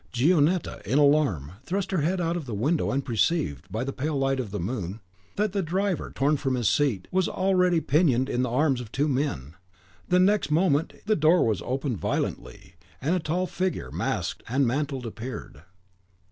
Gionetta, in alarm, thrust her head out of the window, and perceived, by the pale light of the moon, that the driver, torn from his seat, was already pinioned in the arms of two men; the next moment the door was opened violently, and a tall figure, masked and mantled, appeared.